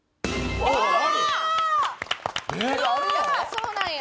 そうなんや。